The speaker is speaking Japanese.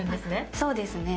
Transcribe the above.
そうですね。